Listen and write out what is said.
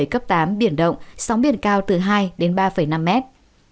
cấp tám biển động sóng biển cao từ hai đến ba năm mét